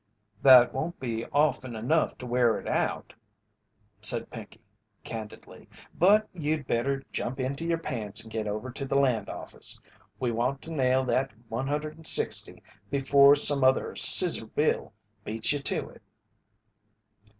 "That won't be often enough to wear it out," said Pinkey, candidly. "But you'd better jump into your pants and git over to the land office. We want to nail that 160 before some other 'Scissor bill' beats you to it."